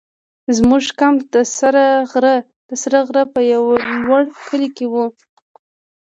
زموږ کمپ د سره غره په یو لوړ کلي کې وو.